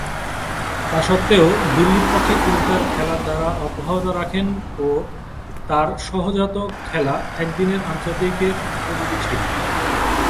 তাসত্ত্বেও, দিল্লির পক্ষে তিনি তার খেলার ধারা অব্যাহত রাখেন ও তার সহজাত খেলা একদিনের আন্তর্জাতিকের উপযোগী ছিল।